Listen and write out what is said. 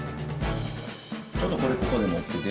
ちょっとこれここでもってて。